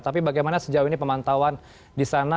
tapi bagaimana sejauh ini pemantauan di sana